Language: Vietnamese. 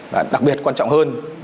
và đặc biệt quan trọng hơn